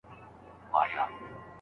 دې سوځلي ګلستان ته لا باغوان ولي راځي